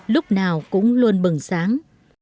lúc nào cũng luôn bừng sáng